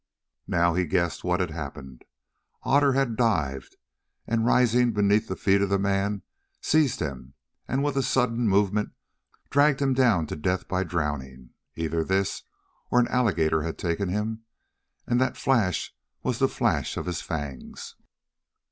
Now he guessed what had happened. Otter had dived, and rising beneath the feet of the man, he seized him, and with a sudden movement dragged him down to death by drowning. Either this, or an alligator had taken him, and that flash was the flash of his fangs.